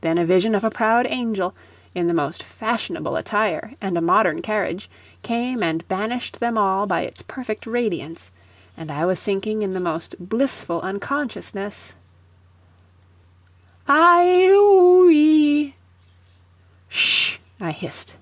Then a vision of a proud angel, in the most fashionable attire and a modern carriage, came and banished them all by its perfect radiance, and I was sinking in the most blissful unconsciousness "Ah h h h h h oo oo oo oo ee ee ee " "Sh h h!" I hissed.